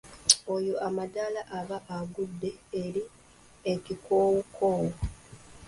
Oyo amandaala aba agudde eri ekikoowukoowu.